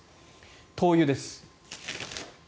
灯油です。